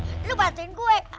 kau bantuin gue